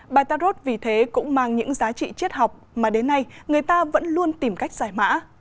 bài tarot vì thế cũng mang những giá trị triết học mà đến nay người ta vẫn luôn tìm cách giải mã